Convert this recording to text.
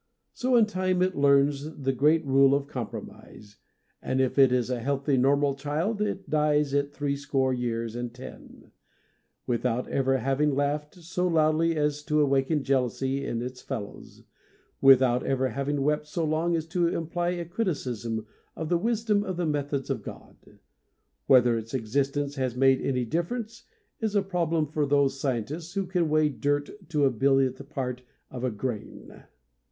So in time it learns the great rule of compromise, and if it is a healthy, normal child it dies at three score years and ten, without ever having laughed so loudly as to awaken jealousy in its fellows, without ever having wept so long as to imply a criticism of the wisdom of the methods of God. Whether its existence has made any difference is a problem for those 76 MONOLOGUES scientists who can weigh dirt to the billionth part of a grain.